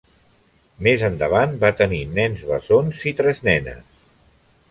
Més endavant va tenir nens bessons i tres nenes.